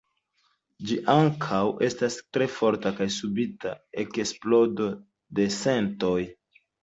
Ĝi ankaŭ estas tre forta kaj subita eksplodo de sentoj.